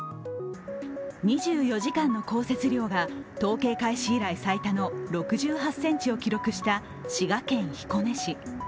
２４時間の降雪量が統計開始以来最多の６８ｃｍを記録した滋賀県彦根市。